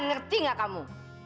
ngerti gak kamu